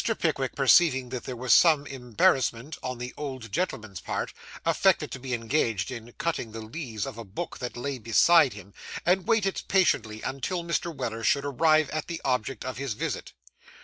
Pickwick, perceiving that there was some embarrassment on the old gentleman's part, affected to be engaged in cutting the leaves of a book that lay beside him, and waited patiently until Mr. Weller should arrive at the object of his visit.